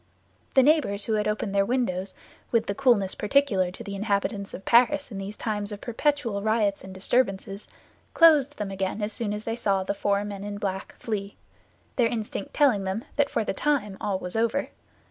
The neighbors who had opened their windows, with the coolness peculiar to the inhabitants of Paris in these times of perpetual riots and disturbances, closed them again as soon as they saw the four men in black flee—their instinct telling them that for the time all was over.